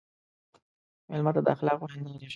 مېلمه ته د اخلاقو هنداره شه.